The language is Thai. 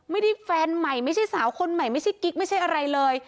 แฟนใหม่ไม่ใช่สาวคนใหม่ไม่ใช่กิ๊กไม่ใช่อะไรเลย